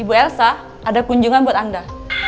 ibu elsa ada kunjungan buat anda